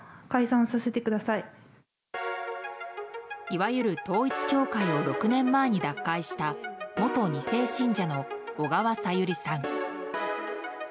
いわゆる統一教会を６年前に脱会した元２世信者の小川さゆりさん。